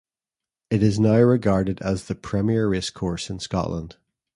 It is now regarded as the premier racecourse in Scotland.